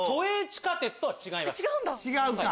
違うんだ！